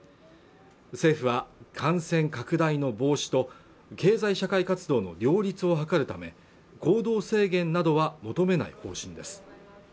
政府は感染拡大の防止と経済社会活動の両立を図るため行動制限などは求めない方針です